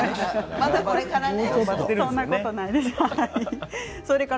まだこれからね。